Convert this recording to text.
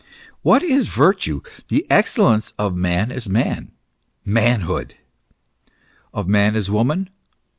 What is virtue, the excellence of man as man ? Manhood. Of man as woman?